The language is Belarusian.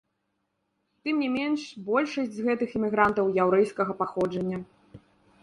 Тым не менш, большасць з гэтых імігрантаў яўрэйскага паходжання.